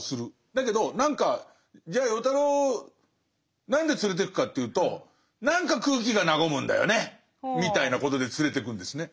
だけど何かじゃあ与太郎何で連れてくかというと何か空気が和むんだよねみたいなことで連れてくんですね。